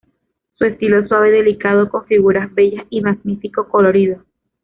Su estilo es suave y delicado, con figuras bellas y magnífico colorido.